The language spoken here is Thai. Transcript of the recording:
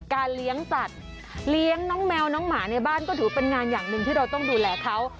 เลี้ยงสัตว์เลี้ยงน้องแมวน้องหมาในบ้านก็ถือเป็นงานอย่างหนึ่งที่เราต้องดูแลเขา